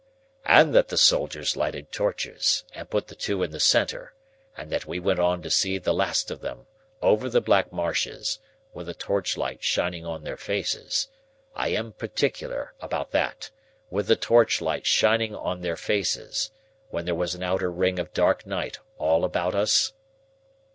"And that the soldiers lighted torches, and put the two in the centre, and that we went on to see the last of them, over the black marshes, with the torchlight shining on their faces,—I am particular about that,—with the torchlight shining on their faces, when there was an outer ring of dark night all about us?"